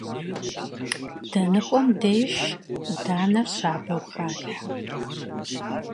ДэныкӀуэм деж Ӏуданэр щабэу халъхьэ.